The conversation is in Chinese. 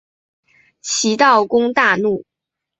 齐悼公大怒。